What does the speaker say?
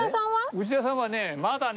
内田さんはねまだね。